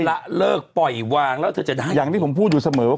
ละเลิกปล่อยวางแล้วเธอจะได้อย่างที่ผมพูดอยู่เสมอว่า